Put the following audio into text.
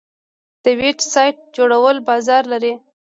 د ویب سایټ جوړول بازار لري؟